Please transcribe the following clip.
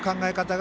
が